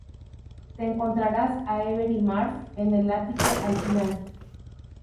Te encontrarás a Avery Marx en el ático al final.